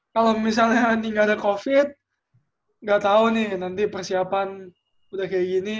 kalau misalnya ini nggak ada covid nggak tahu nih nanti persiapan udah kayak gini